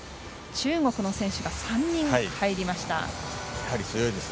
中国の選手が３人入りました。